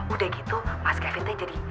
udah gitu mas kevin teh jadi